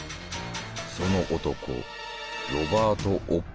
その男